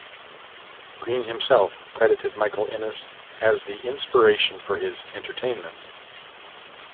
Greene himself credited Michael Innes as the inspiration for his "entertainment".